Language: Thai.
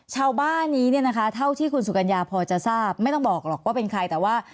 ชาวบ้านนี้เนี่ยนะคะเท่าที่คุณสุกัญญาพอจะทราบไม่ต้องบอกหรอกว่าเป็นใครแต่ว่า